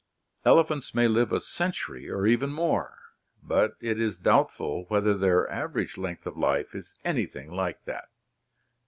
Elephants may live a century or even more, but it is doubtful whether their average length of life is anything like that.